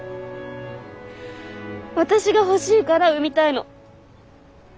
私が欲しいから産みたいの。